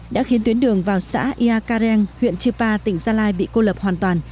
đã khiến tuyến đường vào xã ia kareng huyện chư pa tỉnh gia lai bị cô lập hoàn toàn